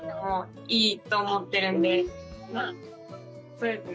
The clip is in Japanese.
そうですね